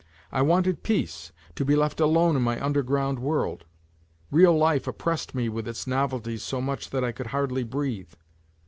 I wanted " peace," to be left alone in my under ground world. Real life oppressed mo with its novelty so much that I could hardly breathe.